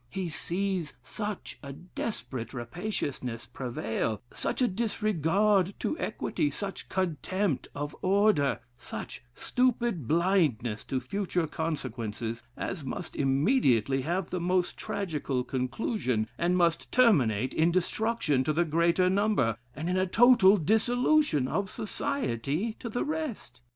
He sees such a desperate rapaciousness prevail; such a disregard to equity, such contempt of order, such stupid blindness to future consequences, as must immediately have the most tragical conclusion, and must terminate in destruction to the greater number, and in a total dissolution of society to the rest.